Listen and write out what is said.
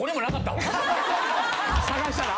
探したら？